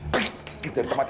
pergi dari tempat ini